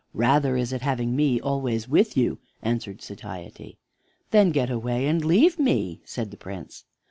"Rather is it having me always with you,".answered Satiety. "Then get away and leave me," said the Prince.